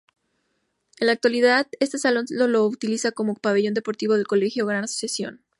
En la actualidad este salón lo utiliza como pabellón deportivo el colegio Gran Asociación.